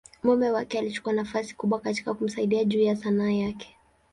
mume wake alichukua nafasi kubwa katika kumsaidia juu ya Sanaa yake.